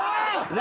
何？